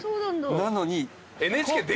なのに。